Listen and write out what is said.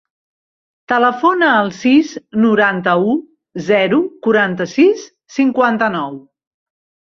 Telefona al sis, noranta-u, zero, quaranta-sis, cinquanta-nou.